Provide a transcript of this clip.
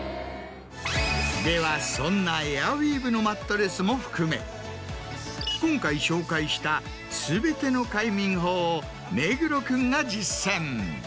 ではそんなエアウィーヴのマットレスも含め今回紹介した全ての快眠法を目黒君が実践。